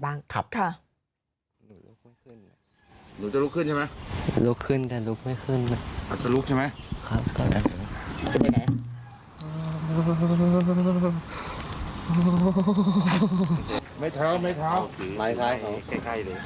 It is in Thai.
เจ้าชื่ออะไรเนี่ย